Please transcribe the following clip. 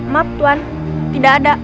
maaf tuhan tidak ada